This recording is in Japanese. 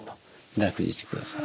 楽にしてください。